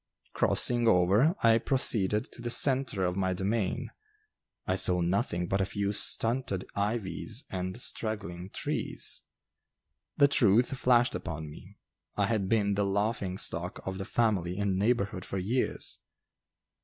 Crossing over, I proceeded to the centre of my domain; I saw nothing but a few stunted ivies and straggling trees. The truth flashed upon me. I had been the laughing stock of the family and neighborhood for years.